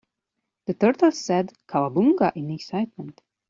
The turtles said "cowabunga" in excitement.